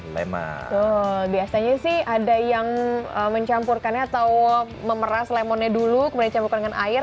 biasanya sih ada yang mencampurkannya atau memeras lemonnya dulu kemudian dicampurkan dengan air